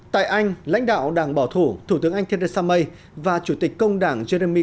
tại anh lãnh đạo đảng bảo thủ thủ tướng anh theresa may và chủ tịch công đảng jeremy